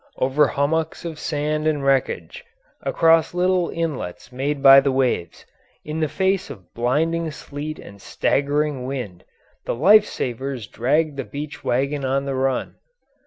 Over hummocks of sand and wreckage, across little inlets made by the waves, in the face of blinding sleet and staggering wind, the life savers dragged the beach wagon on the run.